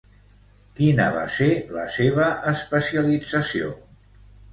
Quina va ser la seva especialització?